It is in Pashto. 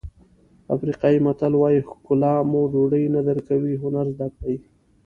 افریقایي متل وایي ښکلا مو ډوډۍ نه درکوي هنر زده کړئ.